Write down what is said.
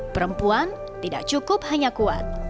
perempuan tidak cukup hanya kuat